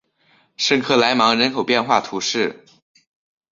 圣克莱芒人口变化图示